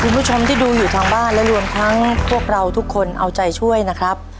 คุณผู้ชมที่ดูอยู่ทางบ้านและรวมทั้งพวกเราทุกคนเอาใจช่วยนะครับ